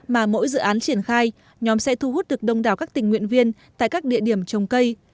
mà mỗi dự án triển khai nhóm sẽ thu hút được đông đảo các tình nguyện viên tại các địa điểm trồng cây